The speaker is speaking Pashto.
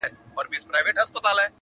• نه په زړه رازونه پخواني لري -